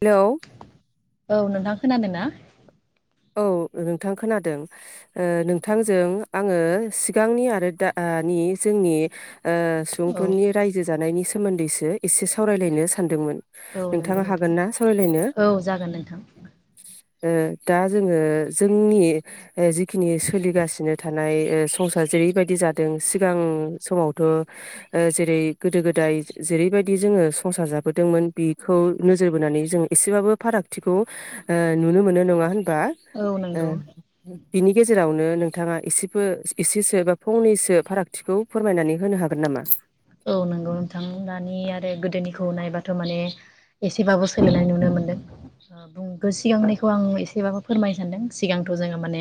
-लौ औ नोंथां खोनादों ना? औ [unintelligible] थां खोनादों ओ नोंथांजों औ आङो सिगांनि आरो [unintelligible] जोंनि ओ सुबुंफोरनि रायजो जानायनि सोमोन [unintelligible] एसे सावरायलायनो सानदोंमोन। औ नोंगौ नोंथाङा नोंथां हागोन ना सावरायलायनो औ जागोन नोंथां। ओ। दा जोङो जोंनि ओ जिखिनि सोलिगासिनो था ओमफ्राय संसार जेरैबायदि जादों सिगां समावथ' जेरै गोदो गोदाय जेरैबायदि जोङो संसार जाबोदों दोंमोन बेखौ नोजोर बोनानै जों एसेबाबो फारागथिखौ ओ नुनो मोनो नङा होन बा औ नंगौ बिनि गेजेरावनो नोंथाङा एसेबो एसेसो बा फंनैसो फारागथिखौ फोरमायनानै होनो हागोन नामा? औ नंगौ नोंथां। दानि आरो गोदोनिखौ नायबाथ' माने एसेबाबो सोलायनाय नुनो मोनदों बुंग सिगांनिखौ आं एसेबाबो फोरमायनो सानदों। सिगांथ' जोङो माने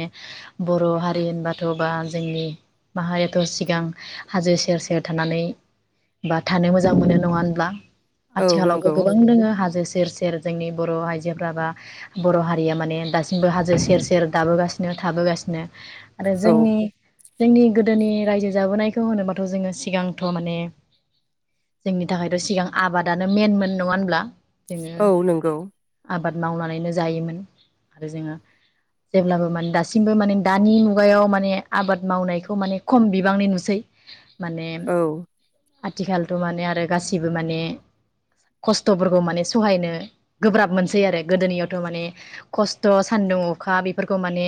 बर' हारि होनबाथ' बा जोंनि माहारियाथ' सिगां हाजो सेर सेर थानानै -बा थानो मोजां मोनो नङा होनब्ला? औ आथिखालावबो नंगौ गोबां दङो हाजो सेर सेर जोंनि बर' आइजोफ्रा बा बर' हारिया माने दासिमबो हाजो सेर सेर दाबोगासिनो थाबोगासिनो आरो औ जोंनि जोंनि गोदोनि रायजो जाबोनायखौ होनोबाथ' जोङो सिगांथ' माने जोंनि थाखायथ' सिगां आबादानो मेनमोन नङा होनब्ला? जोङो औ नंगौ। आबाद मावनानैनो जायोमोन। आरो जोङो जेब्लाबो माने दासिमबो माने दानि मुगायाव माने आबाद मावनायखौ माने खम बिबांनि नुसै माने औ आथिखालथ' माने आरो गासिबो माने, खस्थ'फोरखौ माने, सहायनो गोब्राब मोनसै आरो गोदोनियावथ' माने खस्थ' सान्दुं अखा बेफोरखौ माने,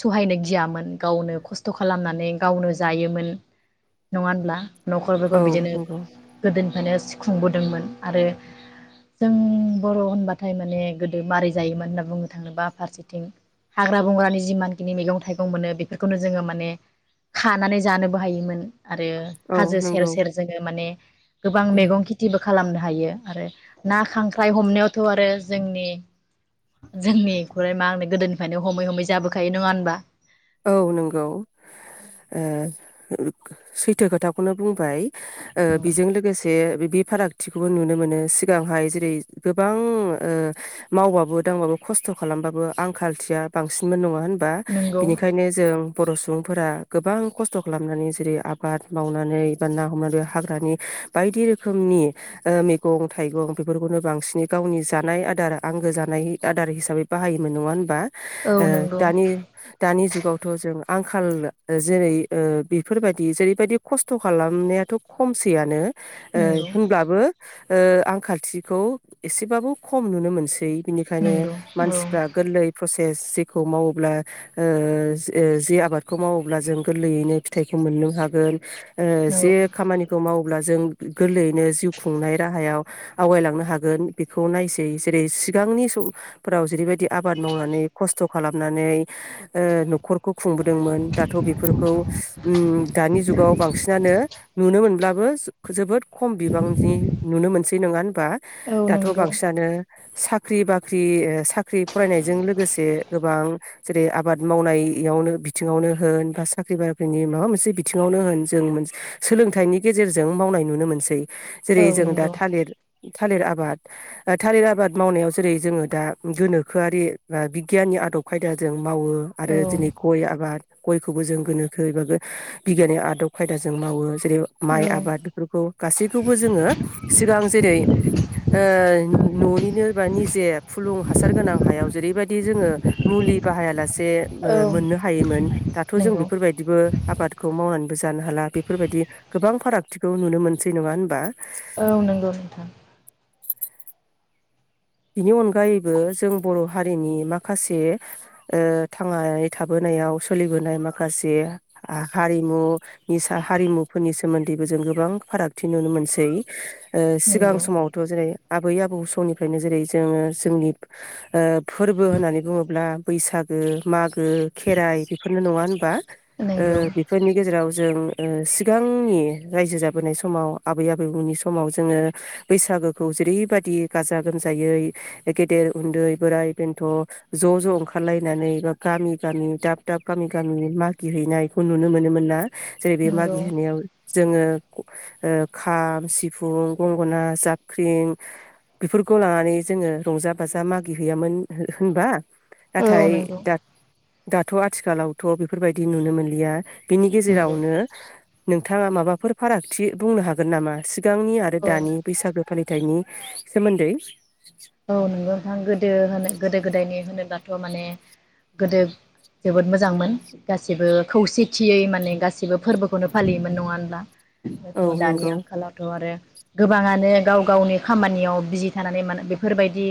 सहायनो गियामोन गावनो खस्थ' खालामनानै गावनो जायोमोन नङा होनब्ला? औ बिदिनो नंगौ गोदो [unintelligible] [unintelligible] खुंबोदोंमोन आरो जों बर' होनबाथाय माने गोदो मारै जायोमोन होनना बुंनो थाङोबा? फारसेथिं हाग्रा बंग्रानि जिमानखिनि मैगं थाइगं मोनो बेफोरखौनो जोङो माने खानानै जानोबो हायोमोन। आरो औ हाजो सेर नंगौ सेर जोङो माने गोबां उम मेगं खेथिबो खालामनो हायो आरो ना खांख्राइ हमनायावथ' आरो जोंनि जोंनि मा होनो गोदोनिफ्रायनो हमै हमै जाबोखायो नङा होनबा औ नंगौ ओ सैथो खोथाखौनो बुंबाय ओ बेजों लोगोसे बे फारागथिखौबो नुनो मोनो सिगांहाय जेरै गोबां ओ मावबाबो दांबाबो खस्थ' खालामबाबो आंखालथिया बांसिनमोन नङा होन बा। नंगौ बिनिखायनो जों बर' सुबुंफोरा गोबां खस्थ' खालामनानै जेरै आबाद मावनानै बा ना हमनानै हाग्रानि बायदि रोखोमनि मैगं थाइगं बेफोरखौनो बांसिनै गावनि जानाय आदार आंगो जानाय आदार हिसाबै बाहायोमोन नङा होनबा। ओ औ नंगौ दानि [unintelligible] दानि जुगावथ' जों आंखाल जेरै ओ बेफोरबायदि जेरैबायदि खस्थ' खालामनायाथ' खमसैयनो ओ नंगौ होनब्लाबो आंखालथिखौ एसेबाबो खम नुनो मोनसै बिनिखायनो नंगौ औ मानसिफ्रा गोरलै पसल जेखौ मावोब्ला जि आबादखौ मावोब्ला जों गोरलैयैनो फिथाइखौ मोननो हागोन औ जे खामानिखौ माव अब्ला जों गोरलैयैनो जिउ खुंनाय राहायाव आवगायलांनो हागोन बेखौ नायसै जेरै सिगांनि सम फोराव जेरैबायदि आबाद मावनानै खस्थ' खालामनानै ओ न'खर। खौ खुंबोदोंमोन दाथ' बेफोरखौ दानि जुगाव बांसिनानो नुनो मोनब्ला जोबोद खम बिबांनि नुनो मोनसै थैनांगोन बा औ दाथ' नंगौ बांसिनानो साख्रि बाख्रि [unintelligible] साख्रि फरायनायजों लोगोसे गोबां जेरै आबाद मावनायावनो बिथिङावनो होन बा साख्रि बाख्रिनि माबा मोनसे बिथिङावनो होन जों सोलोंथाइनि गेजेरजों मावनाय नुनो मोनसै औ जेरै जों दा नंगौ थालिर थालिर आबाद थालिर आबाद मावनायाव जेरै जोङो दा गोनोखोआरि बा बिगियाननि आदब खायदाजों। मावो औ आरो दिनै गय आबाद गयखौबो जों गोनोखो एबा बिगियाननि आदब खायदाज जों मावो जेरै औ माइ आबाद बेफोरखौ गासैखौबो जोङो सिगां जेरै न'नि फुलुं हासार गोनां हायाव जेरैबादि जोङो बाहाया लासै औ [unintelligible] मोननो हायोमोन दाथ' जों नंगौ बेफोरबायदिबो आबादखौ मावानो। बो जानो हाला बेफोरबायदि गोबां फारागथिखौ नुनो मोनसै नङा होनबा। औ नंगौ नोंथां। बिनि अनगायैबो जों बर' हारिनि माखासे ओ थांनानै थाबोनायाव सोलिबोनाय माखासे हारिमु निसा हारिमुफोरनि सोमोन्दैबो जों गोबां फारागथि नुनो मोनसै। ओ सिगां नंगौ समावथ' जेरै आबै आबौ समनिफ्रायनो जेरै जोङो जोंनि ओ फोरबो होननानै बुङोब्ला बैसागो मा गो खेराइ बेफोरनो नङा होनबा ओ नंगौ बेफोरनि गेजेराव। जों ओ सिगांनि रायजो जाबोनाय समाव आबै आबैमोननि समाव जोङो बैसागोखौ जेरैबायदि गाजा गोमजा जायै गेदेर उन्दै बोराइ बेन्थ' ज' ज' ओंखारलायनानै बा गामि गामि दाब दाब गामि गामि मागि हैैनायखौ नुनो मोनोमोन ना। जेरै नंगौ मागिहैनायाव। जोङो ओ खाम सिफुं गंगोना जाबख्रिं बेफोर खौ लानानै जोङो रंजा बाजा मागि हैैयामोन होनबा। औ नाथाय नंगौ दा दाथ' आथिखालावथ' बेफोरबायदि नुनो मोनलिया। बिनि नंगौ गेजेरावनो। नोंथाङा माबाफोर फारागथि बुंनो हागोन नामा सिं। गांनि आरो औ दानि बैसागो। फालिथायनि सोमोन्दै। औ नोंगौ [unintelligible] गोदो होनो। गोदो गोदायनि होनोब्लाथ' माने गोदो जोबोद मोजांमोन गासिबो खौसेथियै माने गासिबो फोरबोखौनो फालियोमोन नङा होनब्ला। औ बेथ'दानि नंगौ आंखालावथ'आरो। गोबाङानो गाव गावनि खामानियाव बिजि थानानै मानो बे। फोरबायदि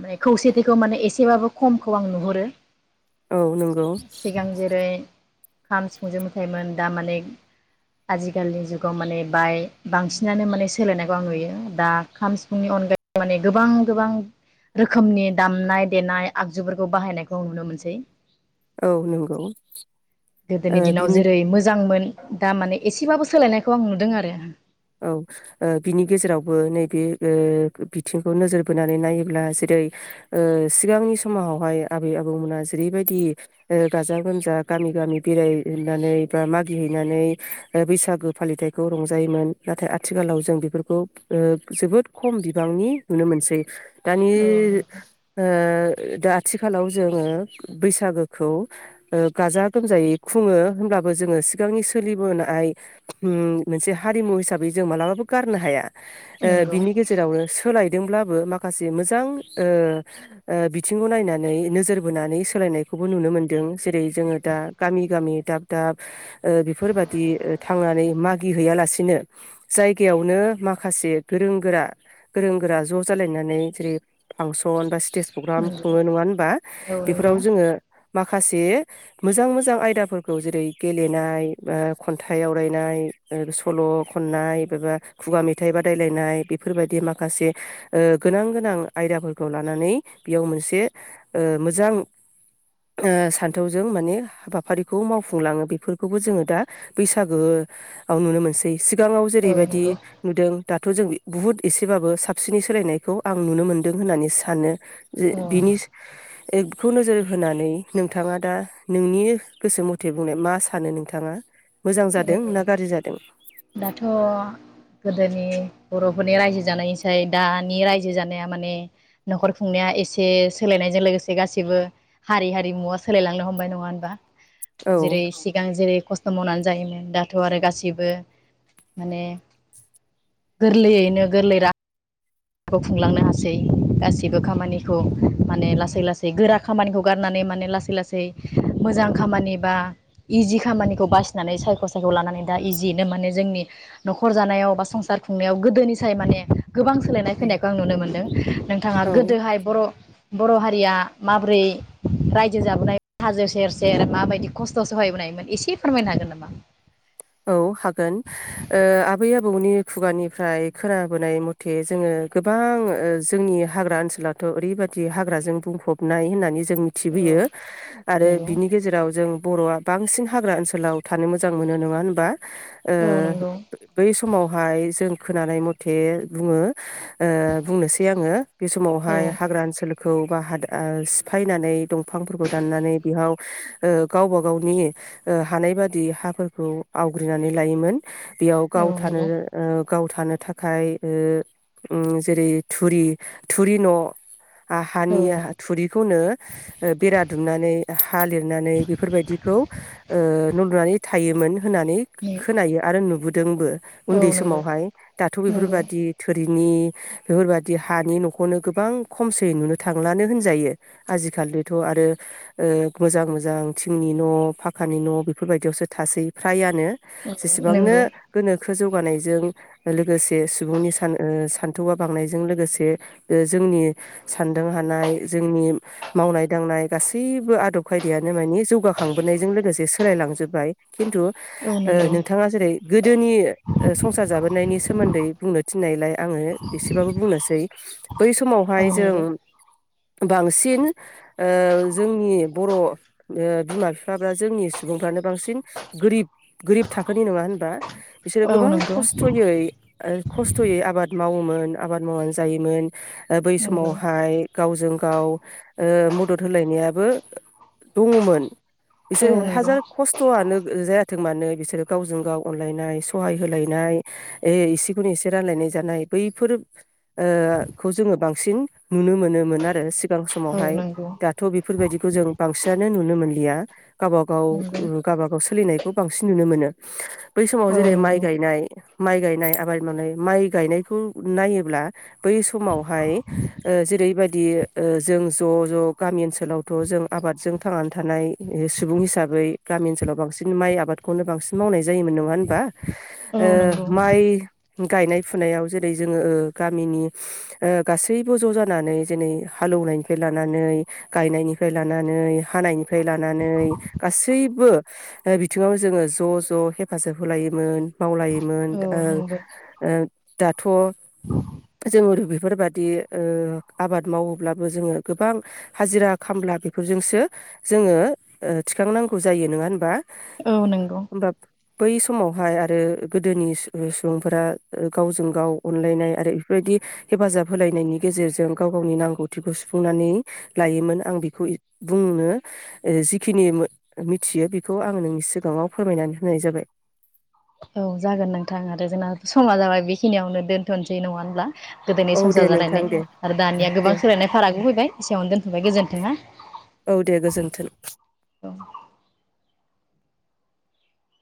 माने खौसेथिखौ माने एसेबाबो खमखौ आं नुहुरो। औ नंगौ। सिगां जेरै खाम सिफुंजो मोसायोमोन दा माने आजिखालिनि जुगाव माने बाय बांसिनानो माने सोलायनायखौ आं नुयो दा खाम सिफुंनि अनगायै माने गोबां। गोबां रोखोमनि दामनाय देनाय आगजुफोरखौ बाहायनायखौ नुनो मोनसै। औ नंगौ ओ गोदोनि दिनाव बिनि जेरै मोजांमोन। दा माने एसेबाबो सोलायनायखौ आं नुदों आरो। औ ओ बिनि गेजेरावबो नैबे बिथिंखौ नोजोर बोनानै नायोब्ला जेरै ओ सिगांनि समावहाय आबै आबौमोना जेरैबायदि ओ गाजा गोमजा गामि गामि बेरायनानै बा मागिहैनानै बैसागो फालिथायखौ रंजायोमोन। नाथाय आथिखालाव जों बेफोरखौ ओ जोबोद खम बिबांनि नुनो मोनसै। दानि औ ओ दा आथिखालाव जोङो बैसागोखौ ओ गाजा गोमजायै खुङो होमब्लाबो जोङो सिगांनि सोलिबोनाय उम मोनसे हारिमु हिसाब बेै जों मालाबाबो गारनो हाया। ओ नंगौ बिनि गेजेरावनो सु सोलायदोंब्लाबो माखासे मोजां ओ ओ बिथिंखौ नायनानै नोजोर बोनानै सोलायनायखौबो नुनो मोनदों जेरै जोङो दा गामि गामि दाब दाब ओ बेफोरबादि थांनानै मागिहैयालासिनो। जायगायावनो माखासे गोरों गोरा गोरों गोरा ज' जालायनानै जेरै फांसन बा स्टेज प्रग्राम नंगौ खुङो नङा ओम बा नंगौ औ नंगौ बेफोराव जोङो। माखासे मोजां मोजां आयदाफोरखौ जेरै गेलेनाय बा खन्थाइ आवरायनाय ओ सल'। खननाय बबा खुगा मेथाइ बादायलायनाय बेफोरबायदि माखासे ओ गोनां गोनां आयदाफोरखौ लानानै बेयाव मोनसे ओ मोजां ओ सान्थौजों माने हाबाफारिखौ मावफुंलाङो बेफोरखौबो जोङो दा बैसागोआव नुनो मोनसै। सिगाङाव औ जेरैबायदि नंगौ नुदों। दाथ' जों बि बुहुत एसेबाबो साबसिनै सोलायनायखौ आं नुनो मोन्दों होननानै सानो। जे औ बिनि। एखौ नोजोर होनानै नोंथाङा दा नोंनि गोसो मथे बुंनाय मा सानो नोंथाङा। मोजां औ जादों ना गाज्रि जादों। दाथ' गोदोनि बर'फोरनि रायजो जानायनिसाय दानि रायजो जानाया माने न'खर खुंनाया एसे सोलायनायजों लोगोसे गाससिबो हारि हारिमुवा सोलायलांनो हमबाय नङा होनबा। औ जेरै सिगां जेरै खस्थ' मावनानै जायोमोन दाथ' आरो गासिबो माने गोरलैयैनो गोरलै रा खौ खुंलांनो हासै गाससिबो खामानिखौ माने लासै लासै गोरा खामानिखौ गारनानै माने लासै लासै मोजां खामानि बा इजि खामानिखौ बासिनानै सायख' सायख' लानानै दा इजियैनो माने जोंनि न'खर जानायाव बा संसार खुंनायाव गोदोनि साय माने गोबां सोलायनानै फैनायखौ आं नुनो मोनदों नोंथाङा औ गोदोहाय बर बर हारिया माबोरै रायजो जाबोनाय हाजो सेर-सेर माबायदि खस्थ सहायबोनायमोन एसे फोरमायनो हागोन नामा? औ हागोन ओ आबै आबौनि खुगानिफ्राय खोनाबोनाय मथे जोङो गोबां ओ जोंनि हाग्रा ओनसोलाथ ओरै बायदि हाग्राजों बुंफबनाय होननानै जों जों औ मिथिबोयो आरो नंगौ बिनि गेजेराव जों बरआ बांसिन हाग्रा ओनसोलाव थानो मोजां मोनो नङा होनबा। ओ औ नंगौ बै समावहाय जों खोनानाय मथे बुङो ओ बुंनोसै आङो बे औ समावहाय हाग्रा ओनसोल खौ बा सिफायनानै दंफांफोरखौ दाननानै बेहयाव ओ गावबा गावनि ओ हानाय बादि हाफोरखौ आवग्रिनानै लायोमोन। बेयाव गाव औ थानो नंगौ ओ गाव थानो थाखाय‌ ओ जेरै थोरि थोरि न औ हानि थुरिखौनो बेरा दुमनानै हा लिरनानै बेफोरबायदिखौ ओ न लुनानै थायोमोन। होनानै खोनायो आरो नुबोदों। दोंबो। औ उन्दै नंगौ समावहाय दाथ नंगौ बेफोरबायदि थोरि नि बेफोरबायादि हानि नखौनो गोबां खमस नुनो थांलानो होनजायो आजिखालिजोंथ ओ आरो मोजां-मोजां थिंनि न फाखानि न बेफोर बायदियावसो थासै। फ्रायानो। जेसेबांनो नंगौ गोनोखो जौगानायजों लोगोसे सुबुंनि सान‌ ओ सान्थौआ बांनायजों लोगोसे जोंनि सानदों हानाय जोंनि मावनाय दांनाय गासैबो आदब खायदायानो मानि जौगाखांबोनायजों लोगोसे सोलाय लांजोब्बाय। खिन्थु औ ओ नंगौ नोंथाङा जेरै गोदोनि ओ संसार जाबोनायनि सोमोन्दै बुंनो थिन्नायलाय आङो एसेबाबो बुंनोसै। बै औ समावहाय जों नंगौ बांसिन ओ जोंनि बर' बिमा बिफाफ्रा जोंनि सुबुंफ्रानो बांसिन गोरिब गोरिब थाखोनि नङा होनबा? बिसोरो औ गोबां नंगौ खस्थयै खस्थयै आबाद मावोमोन आबाद मावनानै जायोमोन बै नंगौ समावहाय गावजों गाव ओ मदद होलायनायाबो दङ'मोन। औ बिसोर नंगौ हाजार खस्थआनो जायाथों मानो बिसोरो गावजों गाव अनलायनाय सहाय होलायनाय एसेखौ एसे रानलायनाय जानाय बैफोर ओ खौ जोङो बांसिन नुनो मोनोमोन आरो सि गां औ समावहाय नंगौ दाथ' बे बेफोर बायदिखौ जों बांसिनानो नुनो मोनलिया गावबागाव नंगौ ओम गावबासो सोलिनायखौ बांसिन नुनो मोनो। बै समाव औ जेरै माइ नंगौ गायनाय माइ गायनाय आबाद मावनाय माइ गायनायखौ नायोब्ला बै समावहाय ओ जेरै बायादि ओ जों ज' ज' गामि ओनसोलावथ' जों आबादजों थांनानै थानाय सुबुं हिसाबै गामि ओनसोलाव बांसिन बिदिनो माइ आबादखौनो बांसिन मावनाय जायोमोन नङा होनबा? औ नंगौ औ ओ माइ गायनाय फुनायाव जेरै जोङो ओ गामिनि गासैबो ज' जानानै जेरै हालौनायनिफ्राय लानानै गायनायनिफ्राय लानानै हानायनिफ्राय लानानै गासैबो बिथिङाव जोङो ज' ज' हेफाजाब होलायोमोन मावलायोमोन ओ नंगौ ओ दाथ' जोङो बेफोरबादि ओ आबाद मावोब्लाबो जोङो गोबां हाजिरा खामला बेफोरजोंसो जोङो ओ थिखांनांगौ जायो नोङा होनबा? औ नंगौ। होमबा बै समावहाय आरो गोदोनि सु-सुबुंफोरा गावजों गाव अनलायनाय आरो बेफोरबायदि हेफाजाब होलायनायनि गेजेरजों गाव गावनि नांगौथिखौ सुफुंनानै लायोमोन आं बेखौ बुंनो जिखिनि मि -मिथियो। बेखौ आं नोंनि सिगाङाव फोरमायनानै होनाय जाबाय। औ जागोन नोंथां आरो जोंना समा जाबाय बेखिनियावनो दोनथ'नोसै नङा होनब्ला? गोदोनि औ दे संसार नोंथां दे जालायनाय आरो दानिया दे गोबां सोलायनाय फारागबो फैबाय एसेयावनो दोनथ'बाय गोजोन्थों ना औ दे गोजोन्थों अ